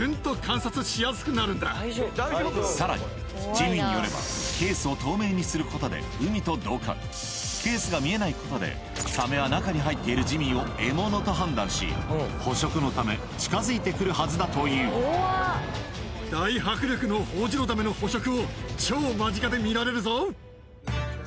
さらにジミーによればケースが見えないことでサメは中に入っているジミーを獲物と判断し捕食のため近づいてくるはずだという大迫力のホホジロザメの捕食を超間近で見られるぞ。